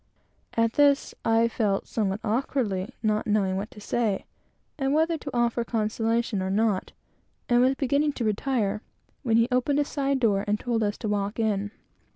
Here I felt a little strangely, not knowing what to say, or whether to offer consolation or no, and was beginning to retire, when he opened a side door and told us to walk in.